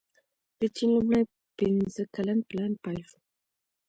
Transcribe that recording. د چین لومړی پنځه کلن پلان پیل شو.